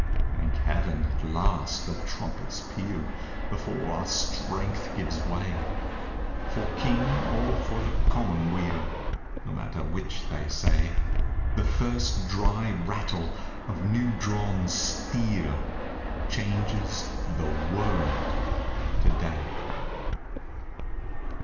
Thank Heaven ! At last the trumpets peal Before our strength gives way. For King or for the Commonweal No matter which they say, The first dry rattle of new drawn steel Changes the world to day